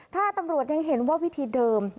ถ้าตำรวจยังเห็นว่าวิธีเดิม